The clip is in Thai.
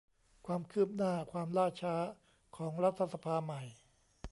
ความคืบหน้า ความล่าช้า ของรัฐสภาใหม่